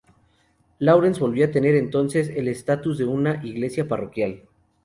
Laurence volvió a tener entonces el estatus de una iglesia parroquial.